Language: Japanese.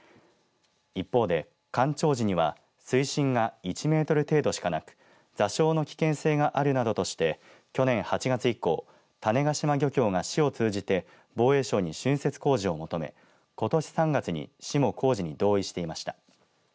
一方で、干潮時には水深が１メートル程度しかなく座礁の危険性があるなどとして去年８月以降種子島漁協が市を通じて防衛省に、しゅんせつ工事を求めことし３月に市も工事に同意していました。